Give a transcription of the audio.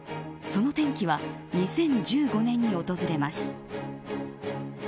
その転機は２０１５年に訪れます。